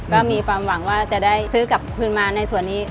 ก็มีความหวังว่าจะได้ซื้อกลับคืนมาในส่วนนี้